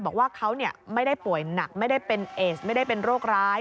บอกว่าเขาไม่ได้ป่วยหนักไม่ได้เป็นเอสไม่ได้เป็นโรคร้าย